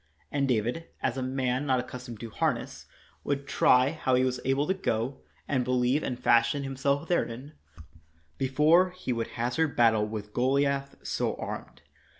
And David, as a man not accustomed to harness, would try how he was able to go, and believe and fashion himself therein, before he would hazard battle with Goliath so armed.